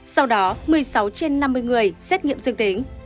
sau đó một mươi sáu trên năm mươi người xét nghiệm dương tính